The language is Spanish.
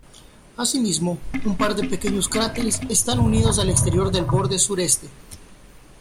Así mismo, un par de pequeños cráteres están unidos al exterior del borde sureste.